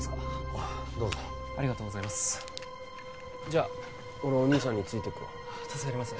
ああどうぞありがとうございますじゃあ俺お兄さんについてくわ助かります